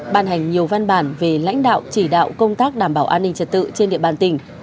ban hành nhiều văn bản về lãnh đạo chỉ đạo công tác đảm bảo an ninh trật tự trên địa bàn tỉnh